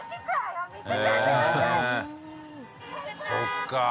そっか。